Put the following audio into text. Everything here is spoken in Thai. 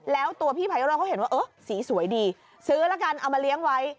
แล้วตัวพี่พายุโรธเขาเห็นว่าเออสีสวยดีซื้อแล้วกันเอามาเลี้ยงไว้